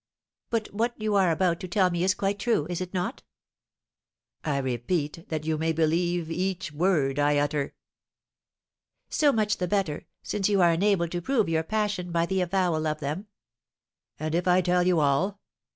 But what you are about to tell me is quite true, is it not?" "I repeat that you may believe each word I utter." "So much the better, since you are enabled to prove your passion by the avowal of them." "And if I tell you all?"